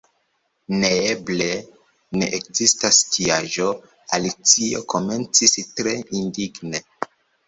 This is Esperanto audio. "Neeble, ne ekzistas tiaĵo," Alicio komencis tre indigne.